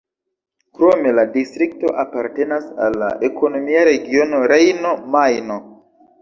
Krome la distrikto apartenas al la ekonomia regiono Rejno-Majno.